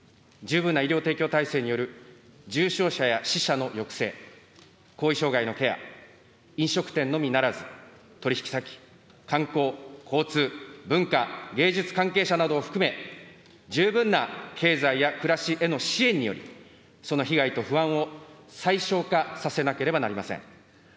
十分な医療提供体制による重症者や死者の抑制、後遺障害のケア、飲食店のみならず、取り引き先、観光、交通、文化、芸術関係者などを含め、十分な経済や暮らしへの支援により、その被害と不安を最小化させなければなりません。